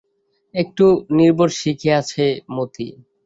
একটু নির্ভর শিখিয়াছে মতি।